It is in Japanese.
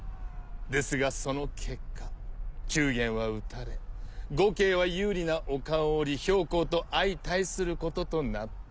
ですがその結果宮元は討たれ呉慶は有利な丘を下り公と相対することとなった。